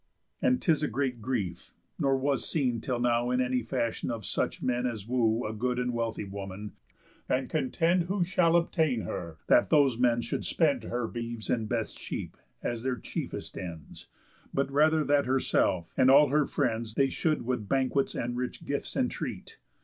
_ And 'tis a great grief, nor was seen till now In any fashion of such men as woo A good and wealthy woman, and contend Who shall obtain her, that those men should spend Her beeves and best sheep, as their chiefest ends, But rather that herself and all her friends They should with banquets and rich gifts entreat.